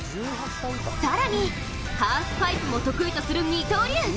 更に、ハーフパイプも得意とする二刀流。